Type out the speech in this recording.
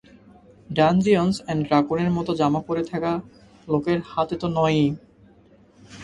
Dungeons and ড্রাগনের মতো জামা পরে থাকা লোকের হাতে তো নয়ই।